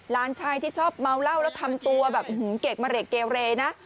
หลานชายที่ชอบเมาเหล้าแล้วทำตัวแบบเกรกมะเรกเกเรนะ